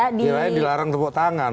jadinya dilarang tepuk tangan